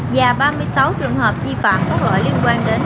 và ba mươi sáu trường hợp di phạm có lỗi liên quan đến